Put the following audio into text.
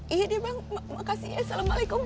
iya bang makasih ya assalamualaikum